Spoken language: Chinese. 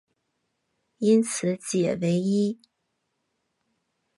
因此解唯一。